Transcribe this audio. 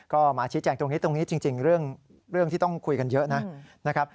ก็มาชี้แจงตรงนี้ตรงนี้จริงเรื่องที่ต้องคุยกันเยอะนะครับ